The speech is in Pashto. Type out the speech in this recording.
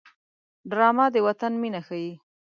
ډرامه د وطن مینه ښيي